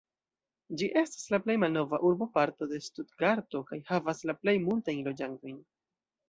Ĝi estas la plej malnova urboparto de Stutgarto kaj havas la plej multajn loĝantojn.